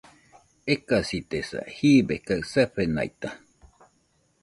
Ekasitesa, jibe kaɨ safenaita